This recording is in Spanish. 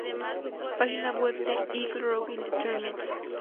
Página web de Eagle Rock Entertainment